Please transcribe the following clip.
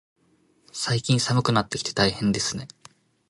最近、寒くなってきて大変ですね。